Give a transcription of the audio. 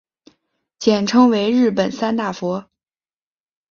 简称为日本三大佛。